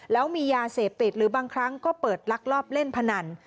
แล้วมียาเสพติดหรือบางครั้งก็เปิดลักลอบเล่นพนัน